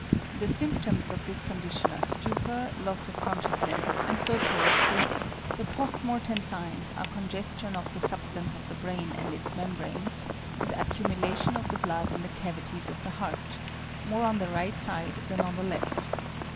The symptoms of this condition are stupor, loss of consciousness, and stertorous breathing. The post mortem signs are congestion of the substance of the brain and its membranes, with accumulation of the blood in the cavities of the heart, more on the right side than on the left.